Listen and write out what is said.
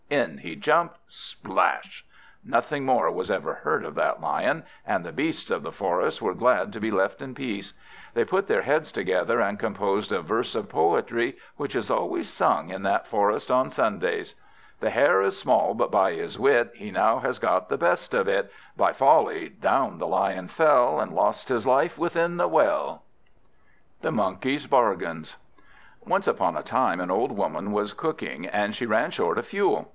In he jumped splash! Nothing more was ever heard of that Lion, and the beasts of the forest were glad to be left in peace. They put their heads together, and composed a verse of poetry, which is always sung in that forest on Sundays: "The Hare is small, but by his wit He now has got the best of it; By folly down the Lion fell, And lost his life within the well." The Monkey's Bargains ONCE upon a time an old Woman was cooking, and she ran short of fuel.